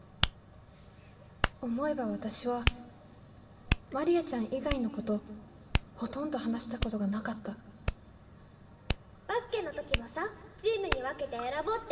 思えば私はマリアちゃん以外の子とほとんど話したことがなかったバスケの時もさチームに分けて選ぼうって決めたの金本さんじゃん。